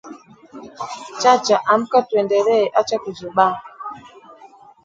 Chacha amka tuendelee, acha kuzubaa!’’